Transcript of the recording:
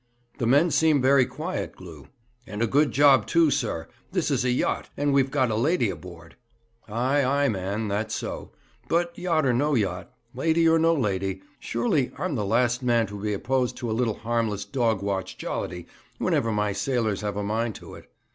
'The men seem very quiet, Glew.' 'And a good job too, sir. This is a yacht, and we've got a lady aboard.' 'Ay, ay, man, that's so. But, yacht or no yacht, lady or no lady, surely I'm the last man to be opposed to a little harmless dog watch jollity whenever my sailors have a mind to it.'